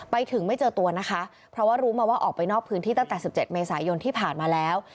ไปถึงไม่เจอตัวนะคะเพราะว่ารู้มาว่าออกไปนอกพื้นที่ตั้งแต่๑๗เมษายนที่ผ่านมาแล้ว